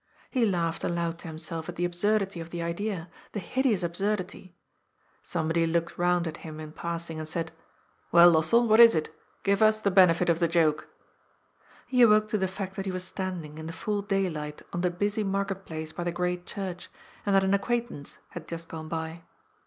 He laughed aloud to him self at the absurdity of the idea, the hideous absurdity. Somebody looked round at him in passing, and said :" Well, Lossell, what is it ? Give us the benefit of the joke !" He awoke to the fact that he was standing, in the full daylight, on the busy market place by the Great Church, and that an acquaintance had just gone by.